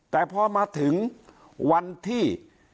แต่พอมาถึงวันที่